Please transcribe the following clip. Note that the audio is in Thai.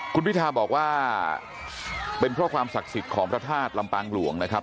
คุณพิทาบอกว่าเป็นเพราะความศักดิ์สิทธิ์ของพระธาตุลำปางหลวงนะครับ